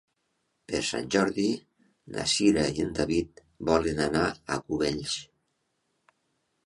Per Sant Jordi na Cira i en David volen anar a Cubells.